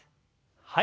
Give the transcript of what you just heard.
はい。